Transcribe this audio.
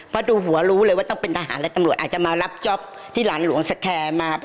เพราะดูหัวรู้เลยว่าต้องเป็นทหารและตำรวจอาจจะมารับจ๊อปที่หลานหลวงสแคร์มา